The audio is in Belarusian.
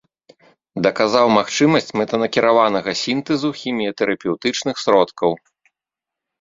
Даказаў магчымасць мэтанакіраванага сінтэзу хіміятэрапеўтычных сродкаў.